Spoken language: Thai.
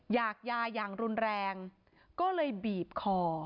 อยากยาอย่างรุนแรงก็เลยบีบคอ